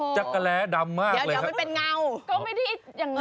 จักรแร้ดำมากเลยครับเดี๋ยวมันเป็นเงา